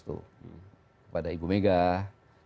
kepada ibu megawati